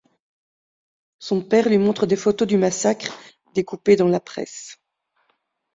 Son père lui montre des photos du massacre découpées dans la presse.